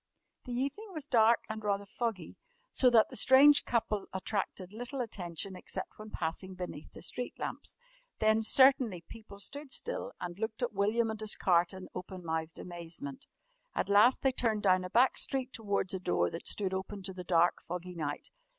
The evening was dark and rather foggy, so that the strange couple attracted little attention, except when passing beneath the street lamps. Then certainly people stood still and looked at William and his cart in open mouthed amazement. At last they turned down a back street towards a door that stood open to the dark, foggy night.